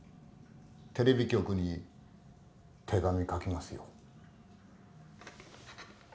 テレビ局に手紙書きますよ。